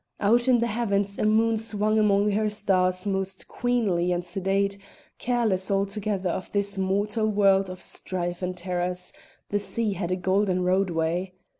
Out in the heavens a moon swung among her stars most queenly and sedate, careless altogether of this mortal world of strife and terrors; the sea had a golden roadway.